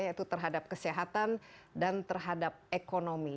yaitu terhadap kesehatan dan terhadap ekonomi